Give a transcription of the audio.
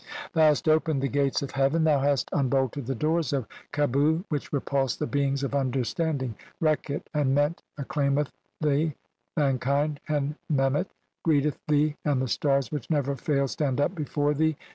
"Thou hast opened the gates of heaven, thou hast "unbolted the doors of (154) Qebhu, which repulse "the beings of understanding (rekhit). (155) And Ment "acclaimeth thee, mankind (henmemet) greeteth thee, "and the stars which never fail stand up before thee.